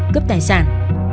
cướp tài sản